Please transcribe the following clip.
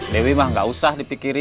dewi mah gak usah dipikirin